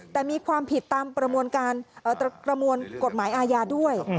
แต่มีความผิดตามประมวลกฎหมายอาญาด้วย